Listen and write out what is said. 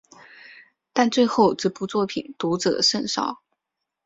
但最后这部作品读者甚少。